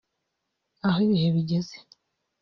aho ibihe bigeze